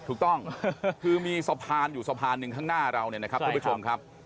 ถูกต้องคือมีสะพานอยู่สะพานหนึ่งข้างหน้าเราเนี่ยนะครับทุกผู้ชมครับ